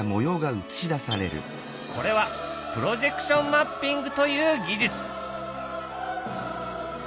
これはプロジェクションマッピングという技術。